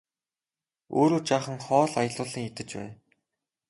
Өөрөө жаахан хоол аялуулан идэж байя!